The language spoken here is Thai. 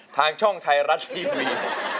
ทางช่องไทยรัฐทีวี